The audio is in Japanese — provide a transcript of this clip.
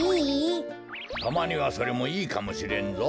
たまにはそれもいいかもしれんぞ。